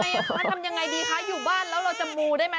ทำยังไงดีคะอยู่บ้านแล้วเราจะมูได้ไหม